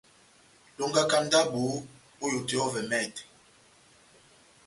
Longaka ndabo ό yoto yɔ́vɛ mɛtɛ.